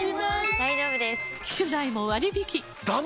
大丈夫です！